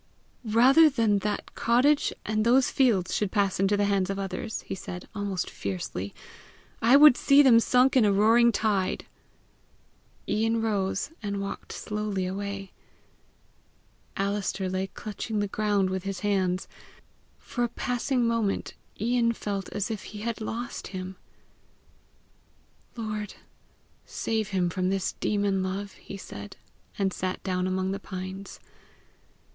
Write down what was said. "Rather than that cottage and those fields should pass into the hands of others," he said, almost fiercely, "I would see them sunk in a roaring tide!" Ian rose, and walked slowly away. Alister lay clutching the ground with his hands. For a passing moment Ian felt as if he had lost him. "Lord, save him from this demon love," he said, and sat down among the pines.